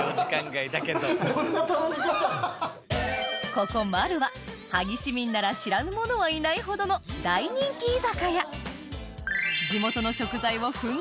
ここＭＡＲＵは萩市民なら知らぬ者はいないほどの大人気居酒屋